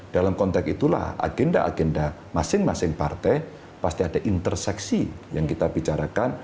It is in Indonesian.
dalam konteks itulah agenda agenda masing masing partai pasti ada interseksi yang kita bicarakan